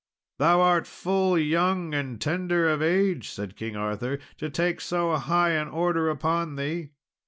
"Thou art full young and tender of age," said King Arthur, "to take so high an order upon thee."